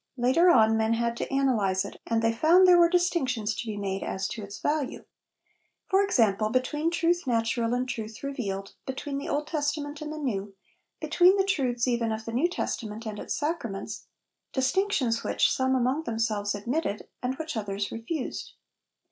Later on, men had to analyse it, and they found there were distinctions to be made as to its value: for example, between truth natural and truth revealed, between the Old Testament and the New, between the truths even of the New Testament and its sacraments distinctions which some among themselves admitted, and which others refused.